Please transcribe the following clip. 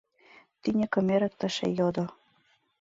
— тӱньыкым эрыктыше йодо.